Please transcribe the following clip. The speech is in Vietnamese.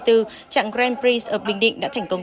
trạng grand prix ở bình định đã thành công